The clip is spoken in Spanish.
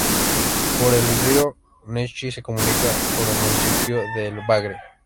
Por el río Nechí se comunica con el municipio de El Bagre.